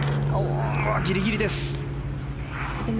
ギリギリです。